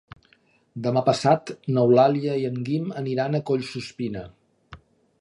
Demà passat n'Eulàlia i en Guim aniran a Collsuspina.